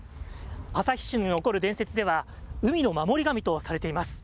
旭市に残る伝説では、海の守り神とされています。